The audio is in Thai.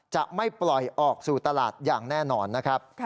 จะไม่ปล่อยออกสู่ตลาดอย่างแน่นอนนะครับ